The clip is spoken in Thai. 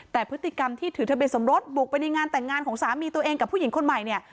แต่พฤติกรรมที่ถือทะเบียสมรสบุกไปในงานแต่งงานของสามีตัวเองกับผู้หญิงคนใหม่เนี่ย